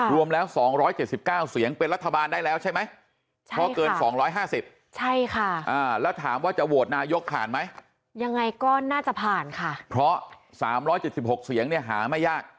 รวมแล้ว๒๗๐เสียงเป็นรัฐบาลได้ใช่ไหม